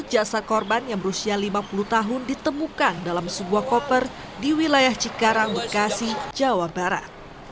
jasad korban yang berusia lima puluh tahun ditemukan dalam sebuah koper di wilayah cikarang bekasi jawa barat